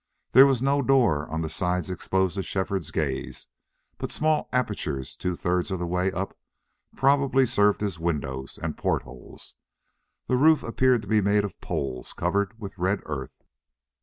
There was no door on the sides exposed to Shefford's gaze, but small apertures two thirds the way up probably served as windows and port holes. The roof appeared to be made of poles covered with red earth.